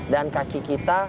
dan kaki kita